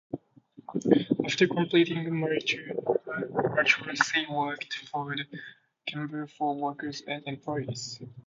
After completing the Matura she worked for the Chamber for Workers and Employees.